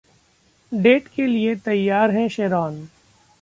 date के लिए तैयार हैं शेरॉन